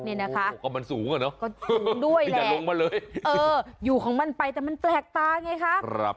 เกิดมาสูงอะเนาะก็สูงด้วยแหละอยู่ของมันไปแต่มันแดกตา๒๕๐๐แห่งเลย